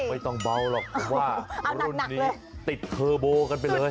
ไม่ต้องเบาหรอกว่ารุ่นนี้ติดเทอร์โบกันไปเลย